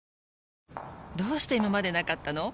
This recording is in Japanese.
どうして今までなかったの？